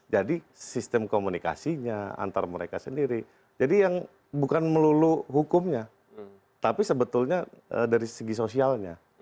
jadi sistem komunikasinya antar mereka sendiri jadi yang bukan melulu hukumnya tapi sebetulnya dari segi sosialnya